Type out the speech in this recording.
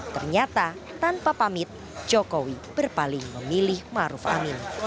ternyata tanpa pamit jokowi berpaling memilih maruf amin